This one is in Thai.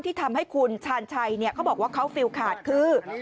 ที่ทำให้คุณชาญชัยเขาบอกว่าเขาฟิลขาดคือ